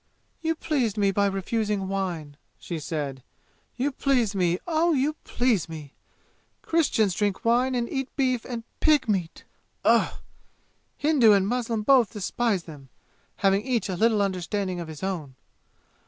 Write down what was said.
"You pleased me by refusing wine," she said. "You please me oh, you please me! Christians drink wine and eat beef and pig meat. Ugh! Hindu and Muslim both despise them, having each a little understanding of his own.